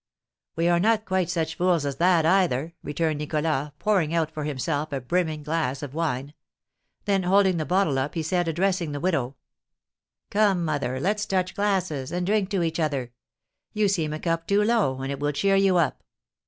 "We are not quite such fools as that either," returned Nicholas, pouring out for himself a brimming glass of wine. Then, holding the bottle up, he said, addressing the widow: "Come, mother, let's touch glasses, and drink to each other. You seem a cup too low, and it will cheer you up."